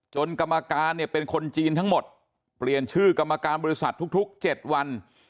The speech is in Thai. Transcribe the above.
กรรมการเนี่ยเป็นคนจีนทั้งหมดเปลี่ยนชื่อกรรมการบริษัททุก๗วัน